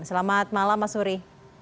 selamat malam mas sury